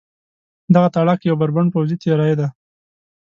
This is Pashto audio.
دغه تاړاک یو بربنډ پوځي تېری دی.